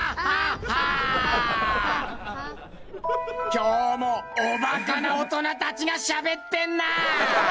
今日もおバカな大人たちがしゃべってんな！